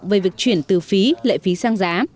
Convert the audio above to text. về việc chuyển từ phí lệ phí sang giá